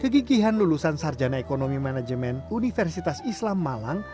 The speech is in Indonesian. kegigihan lulusan sarjana ekonomi manajemen universitas islam malang